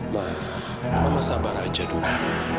mama sabar aja dulu